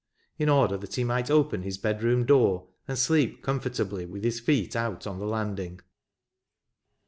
" in order that he might open his bed room door and sleep comfortably with his feet out on the landing.